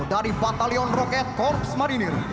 dari batalion roket korps marinir